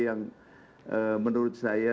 yang menurut saya